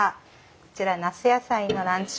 こちら那須野菜のランチ